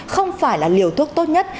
không phải là liều thuốc tốt nhất